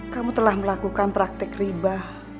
kamu telah melakukan praktek riba